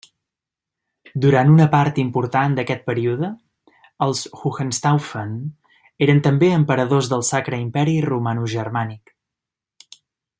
Durant una part important d'aquest període, els Hohenstaufen eren també Emperadors del Sacre Imperi Romanogermànic.